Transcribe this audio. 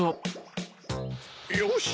よし！